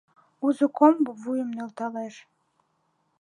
Узо комбо вуйым нӧлталеш.